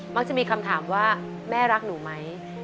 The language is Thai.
จะมีคำถามว่าแม่รักหนูไหม